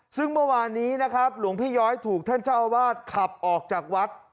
ซึ่งเมื่อวานนี้นะครับหลวงพี่ย้อยถูกท่านเจ้าอาวาสขับออกจากวัด